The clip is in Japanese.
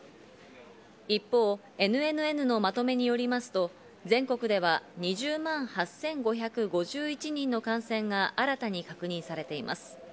一方、ＮＮＮのまとめによりますと、全国では２０万８５５１人の感染が新たに確認されています。